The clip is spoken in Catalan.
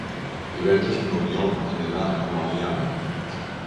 Divendres n'Oriol anirà a Meliana.